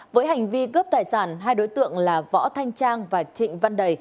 với hành vi cướp tài sản hai đối tượng là võ thanh trang và trịnh văn đầy